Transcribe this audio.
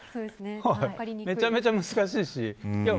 めちゃめちゃ難しいし。